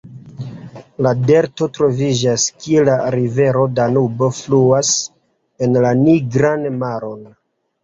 La delto troviĝas, kie la rivero Danubo fluas en la Nigran maron.